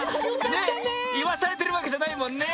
ねっいわされてるわけじゃないもんね。